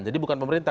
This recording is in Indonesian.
jadi bukan pemerintah